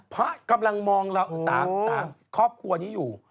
พระกำลังมองเรา๓ครอบครัวนี้อยู่